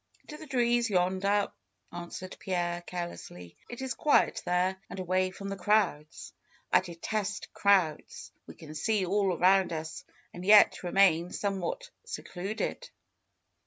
"To the trees yonder," answered Pierre carelessly. "It is quiet there and away from the crowds. I detest crowds. We can see all around us, and yet remain somewhat secluded."